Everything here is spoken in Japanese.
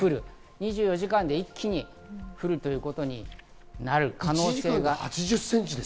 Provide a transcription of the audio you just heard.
２４時間で一気に降るということになる可能性があります。